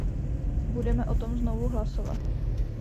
Budeme o tom znovu hlasovat.